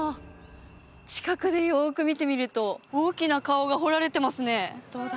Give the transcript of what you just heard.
近くでよく見てみると大きな顔が彫られてますね